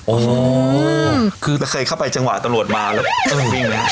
โอ้คือเคยเข้าไปจังหวะตลอดมาแล้ว